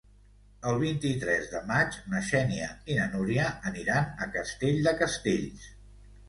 El vint-i-tres de maig na Xènia i na Núria aniran a Castell de Castells.